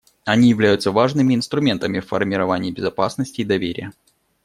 Они являются важными инструментами в формировании безопасности и доверия.